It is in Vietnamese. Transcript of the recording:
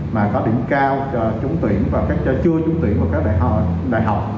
mà có điểm cao trúng tuyển và chưa trúng tuyển vào các đại học